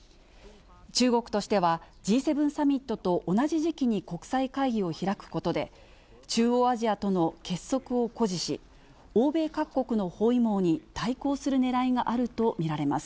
中国としては、Ｇ７サミットと同じ時期に国際会議を開くことで、中央アジアとの結束を誇示し、欧米各国の包囲網に対抗するねらいがあると見られます。